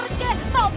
itu bukan urusanmu bu